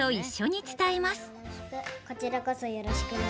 こちらこそよろしくね。